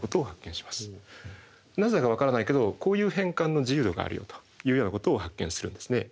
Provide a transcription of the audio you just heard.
なぜだかわからないけどこういう変換の自由度があるよというようなことを発見するんですね。